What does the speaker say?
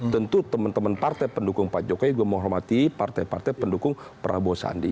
tentu teman teman partai pendukung pak jokowi juga menghormati partai partai pendukung prabowo sandi